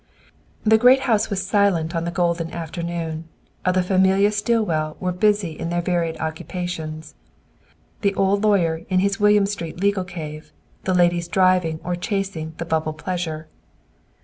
The great house was silent on the golden afternoon, of the famille Stillwell were busied in their varied occupations. The old lawyer in his William Street legal cave, the ladies driving or chasing the bubble pleasure.